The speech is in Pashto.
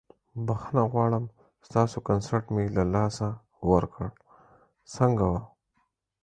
بخښنه غواړم ستاسو کنسرت مې له لاسه ورکړ، څنګه وه؟